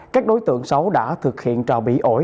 các đối tượng xấu đã thực hiện trào bị ổi